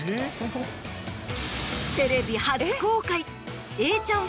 テレビ初公開。